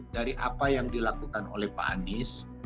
dari apa yang dilakukan oleh pak anies